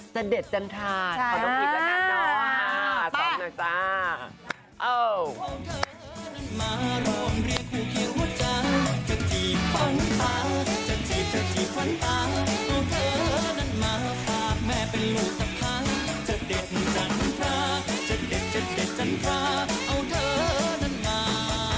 จัดเด็ดจันทราขอต้องพิกัดหน่อยเนาะ